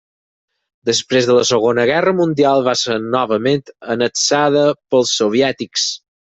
Després de la Segona Guerra mundial va ser novament annexada pels soviètics.